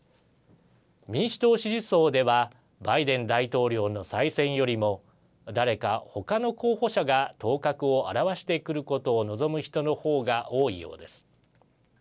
民主党支持層ではバイデン大統領の再選よりも誰か他の候補者が頭角を現してくることを望む人の方が多いようです。